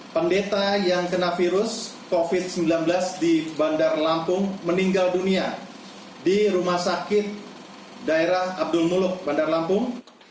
pendeta yang kena virus covid sembilan belas di bandar lampung meninggal dunia di rumah sakit daerah abdul muluk bandar lampung